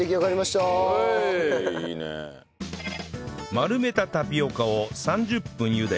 丸めたタピオカを３０分茹で